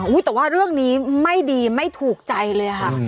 แต่ว่าเรื่องนี้ไม่ดีไม่ถูกใจเลยค่ะ